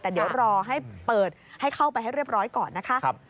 แต่เดี๋ยวรอให้เปิดให้เข้าไปให้เรียบร้อยก่อนนะคะ